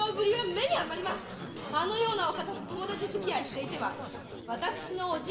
あのようなお方と友達づきあいしていては私の伯父